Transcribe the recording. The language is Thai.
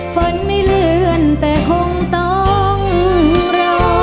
ฝนไม่เลื่อนแต่คงต้องรอ